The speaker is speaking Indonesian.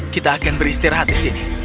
kita akan beristirahat di sini